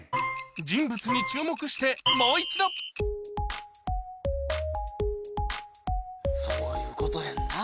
人物に注目してもう一度そういうことやんな。